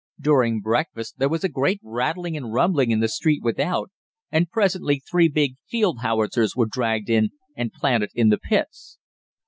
During breakfast there was a great rattling and rumbling in the street without, and presently three big field howitzers were dragged in and planted in the pits.